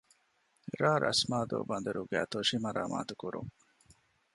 ރ.ރަސްމާދޫ ބަނދަރުގެ ތޮށި މަރާމާތު ކުރުން